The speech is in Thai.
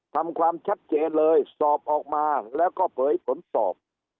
ความชัดเจนเลยสอบออกมาแล้วก็เผยผลตอบ